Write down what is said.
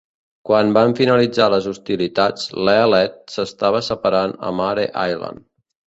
Quan van finalitzar les hostilitats, l'"Ellet" s'estava reparant a Mare Island.